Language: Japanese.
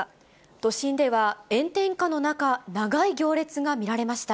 都心では炎天下の中、長い行列が見られました。